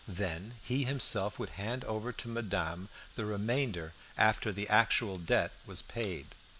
Then he himself would hand over to madame the remainder after the actual debt was paid.